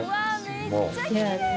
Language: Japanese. めっちゃきれい！